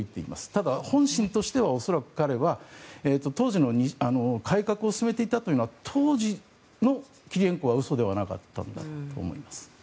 ただ本心としては恐らく彼は改革を進めていたというのは当時のキリエンコは嘘ではなかったんだと思います。